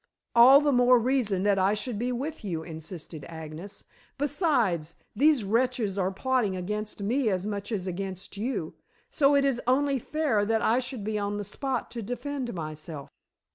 "All the more reason that I should be with you," insisted Agnes. "Besides, these wretches are plotting against me as much as against you, so it is only fair that I should be on the spot to defend myself."